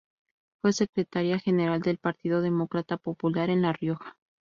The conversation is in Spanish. Fue secretaria general del Partido Demócrata Popular en La Rioja.